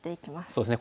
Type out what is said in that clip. そうですね